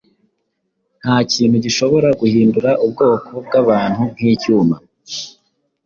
Ntakintu gishobora guhindura ubwoko bwabantu nkicyuma